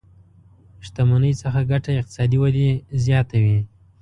شتمنۍ څخه ګټه اقتصادي ودې زياته وي.